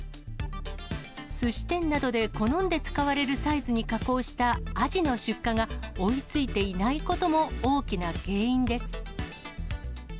すし店などで好んで使われるサイズに加工したアジの出荷が追いついていないことも大きな原因です。